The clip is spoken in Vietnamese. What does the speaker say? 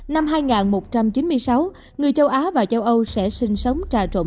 năm hai nghìn một trăm chín mươi sáu người châu á và châu âu sẽ sinh sống trà trộn